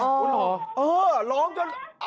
เออร้องจน